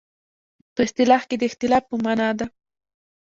په اصطلاح کې د اختلاف په معنی ده.